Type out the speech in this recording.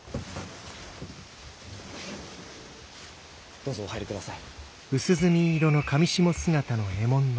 どうぞお入り下さい。